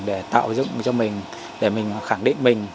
để tạo dựng cho mình để mình khẳng định mình